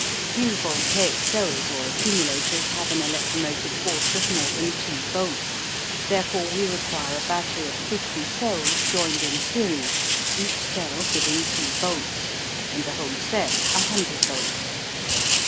Few voltaic cells or accumulators have an electromotive force of more than 2 volts, therefore we require a battery of 50 cells joined in series, each cell giving 2 volts, and the whole set 100 volts.